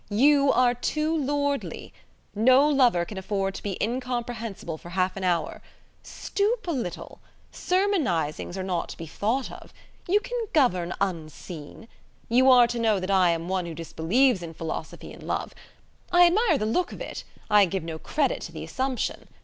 You are too lordly. No lover can afford to be incomprehensible for half an hour. Stoop a little. Sermonizings are not to be thought of. You can govern unseen. You are to know that I am one who disbelieves in philosophy in love. I admire the look of it, I give no credit to the assumption.